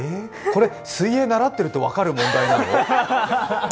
これ、水泳習ってると分かる問題なの？